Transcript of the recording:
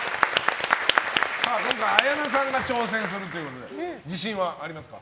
今回、綾菜さんが挑戦するということで自信はありますか？